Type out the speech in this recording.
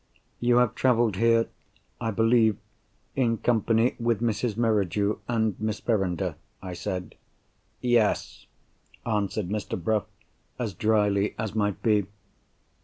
"You have travelled here, I believe, in company with Mrs. Merridew and Miss Verinder?" I said. "Yes," answered Mr. Bruff, as drily as might be.